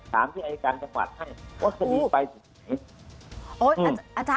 ตามที่อายการจะฝากให้ว่าคดีไปถึงไหน